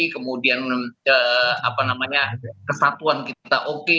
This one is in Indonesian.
kemudian kesatuan kita oke